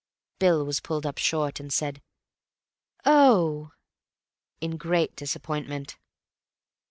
Bill was pulled up short, and said, "Oh!" in great disappointment.